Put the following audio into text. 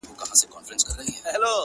چي ياد پاته وي، ياد د نازولي زمانې.